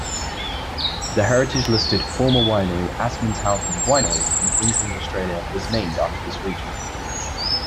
The heritage-listed former winery Assmanshausen Winery in Queensland, Australia, was named after this region.